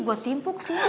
buat timpuk sih